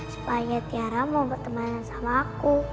supaya tiara mau bertemanan sama aku